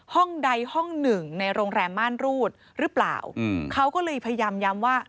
ห้องใดห้องหนึ่งในโรงแรมม่านรูดหรือเปล่าเขาก็เลยพยายามย้ำว่า